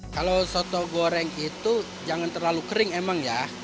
kalau soto goreng itu jangan terlalu kering emang ya